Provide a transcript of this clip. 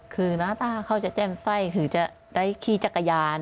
คือหน้าตาเขาจะแจ้มไฟคือจะได้ขี้จักรยาน